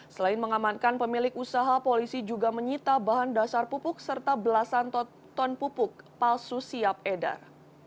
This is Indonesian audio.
selain mengamankan pemilik usaha polisi juga menyita bahan dasar pupuk serta belasan ton pupuk palsu siap edar